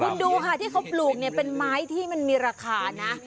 คุณดูค่ะที่เขาปลูกเนี่ยเป็นไม้ที่มันมีราคานะ